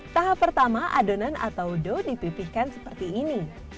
tahap pertama adonan atau do dipipihkan seperti ini